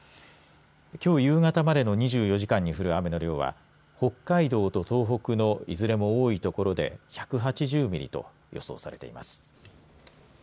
きょう夕方までの２４時間に降る雨の量は北海道と東北のいずれも多い所で１８０ミリと予想されています。